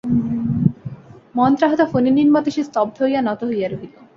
মন্ত্রাহত ফণিনীর মতো সে স্তব্ধ হইয়া নত হইয়া রহিল।